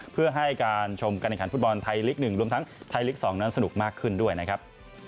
เพื่อให้การชมการแข่งขันฟุตบอลไทยลีก๑รวมทั้งไทยลีก๒นั้นสนุกมากขึ้นด้วยนะครับ